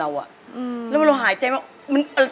แล้วเราหายใจมั้ง